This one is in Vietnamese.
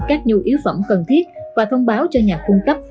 các nhu yếu phẩm cần thiết và thông báo cho nhà cung cấp